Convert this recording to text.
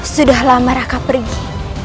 sudah lama raka pergi